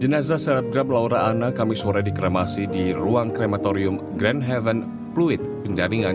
jenazah serabdrab laura anna kamis sore dikremasi di ruang krematorium grand haven fluid penjaringan